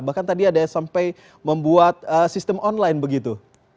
bahkan tadi ada yang sampai membuat sistem online begitu